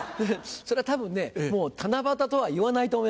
それは多分ねもう七夕とはいわないと思います。